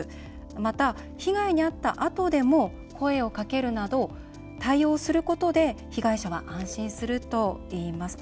また、被害にあったあとでも声をかけるなど対応することで被害者は安心するといいます。